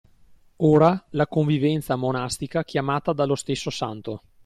Ora, la convivenza monastica chiamata dallo stesso santo